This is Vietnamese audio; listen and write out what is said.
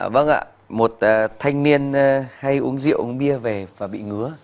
vâng ạ một thanh niên hay uống rượu uống bia về và bị ngứa